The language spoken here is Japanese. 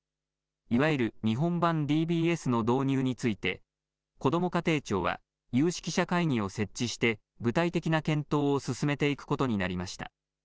いわゆる日本版ＤＢＳの導入についてこども家庭庁は有識者会議を設置して具体的な検討を進めていくことになりました。